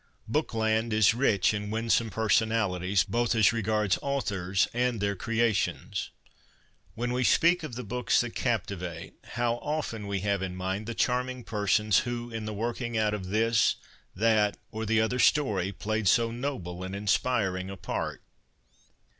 'Bookland' is rich in winsome personalities, both as regards authors and their creations. When we speak of the books that captivate, how often we have in mind the charming persons who in the working out of this, that, or the other story played so noble and inspiring a part